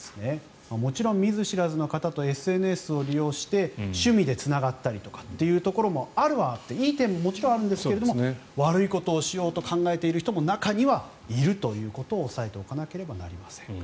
もちろん見ず知らずの方とＳＮＳを利用して趣味でつながったりということもあっていい点ももちろんあるんですが悪いことをしようと考えている人も中に入るということを押さえておかなければなりません。